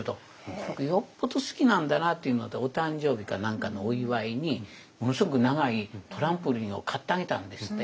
この子よっぽど好きなんだなっていうのでお誕生日か何かのお祝いにものすごく長いトランポリンを買ってあげたんですって。